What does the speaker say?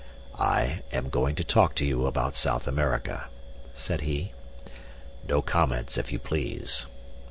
"I am going to talk to you about South America," said he. "No comments if you please.